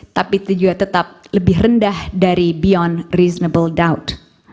tapi tetap lebih rendah dari beyond reasonable doubt